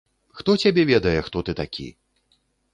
Хто цябе ведае, хто ты такі.